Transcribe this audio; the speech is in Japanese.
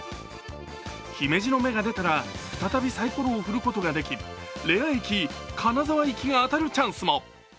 姫路の目が出たら、再び、さいころを振ることができレア駅、金沢駅が当たるチャンスも。